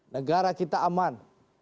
negara kita aman